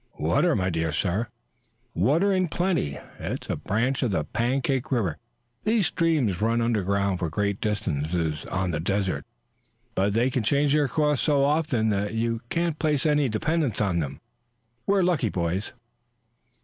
"Water, my dear sir. Water in plenty. It's a branch of the Pancake River. These streams run underground for great distances on the desert, but they change their course so often that you can't place any dependence on them. We're lucky, boys."